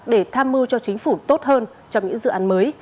để tham mưu cho chính phủ tốt hơn trong những dự án mới